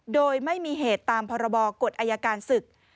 โดยไม่มีเหตุตามพรบกฎอายการศึก